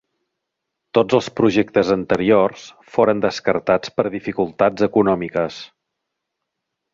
Tots els projectes anteriors foren descartats per dificultats econòmiques.